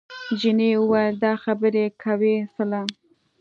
جینۍ وویل دا خبرې کوې څله؟